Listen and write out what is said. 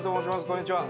こんにちは。